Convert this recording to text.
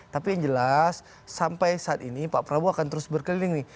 tapi yang jelas sampai saat ini pak prabowo akan terus berkeliling nih